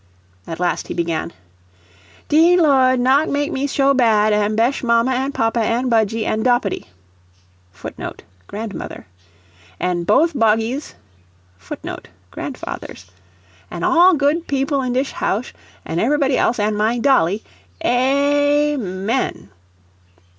At last he began: "Dee Lord, not make me sho bad, an' besh mamma, an' papa, an' Budgie, and doppity, [Footnote: Grandmother.] an' both boggies, [Footnote: Grandfathers.] an' all good people in dish house, and everybody else, an' my dolly. A a amen!"